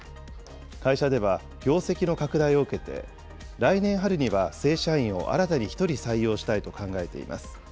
会社では業績の拡大を受けて、来年春には正社員を新たに１人採用したいと考えています。